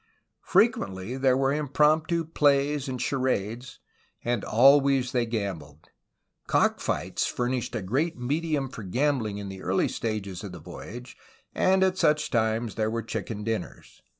Frequently there were impromptu plays and charades, and always they gambled. Cock fights furnished a great medium for gambling in the early stages of the voyage, — and at such times there were chicken din ners.